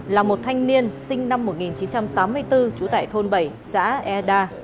là một thanh niên sinh năm một nghìn chín trăm tám mươi bốn trú tại thôn bảy xã eda